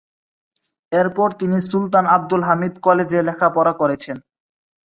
এরপর তিনি সুলতান আবদুল হামিদ কলেজে লেখাপড়া করেছেন।